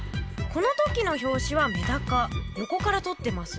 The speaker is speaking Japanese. この時の表紙はメダカ横から撮ってます。